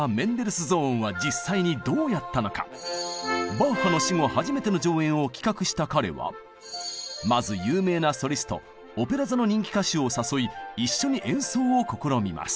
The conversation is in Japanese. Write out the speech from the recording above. バッハの死後初めての上演を企画した彼はまず有名なソリストオペラ座の人気歌手を誘い一緒に演奏を試みます。